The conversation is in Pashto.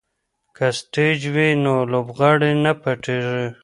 که سټیج وي نو لوبغاړی نه پټیږي.